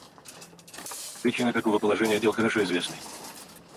Причины такого положения дел хорошо известны.